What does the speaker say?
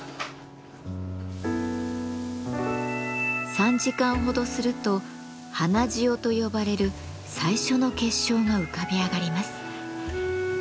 ３時間ほどすると花塩と呼ばれる最初の結晶が浮かび上がります。